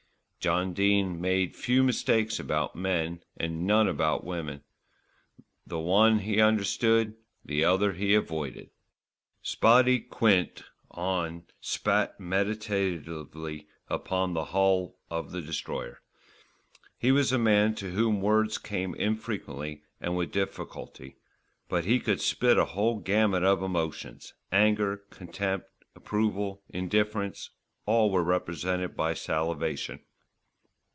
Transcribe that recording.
John Dene made few mistakes about men and none about women: the one he understood, the other he avoided. "Spotty" Quint on spat meditatively upon the hull of the Destroyer. He was a man to whom words came infrequently and with difficulty; but he could spit a whole gamut of emotions: anger, contempt, approval, indifference, all were represented by salivation.